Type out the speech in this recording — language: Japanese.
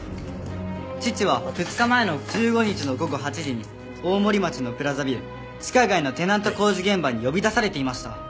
父は２日前の１５日の午後８時に大森町のプラザビル地下街のテナント工事現場に呼び出されていました。